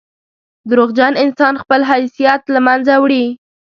• دروغجن انسان خپل حیثیت له منځه وړي.